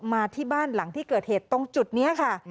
มาที่บ้านหลังที่เกิดเหตุตรงจุดนี้ค่ะ